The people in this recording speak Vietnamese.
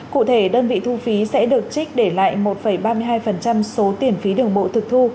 cụ thể đơn vị thu phí sẽ được trích để lại một ba mươi hai số tiền phí đường bộ thực thu